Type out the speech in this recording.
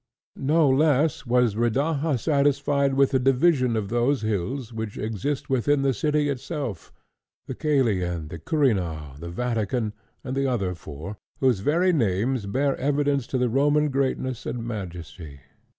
No less was Rodaja satisfied with the division of those hills which exist within the city itself, the Cælian, the Quirinal, the Vatican, and the other four, whose very names bear evidence to the Roman greatness and majesty.